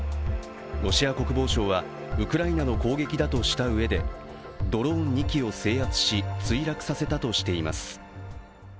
ロシア国防省はウクライナの攻撃だとしたうえでドローン２機を制圧し墜落させたとしています。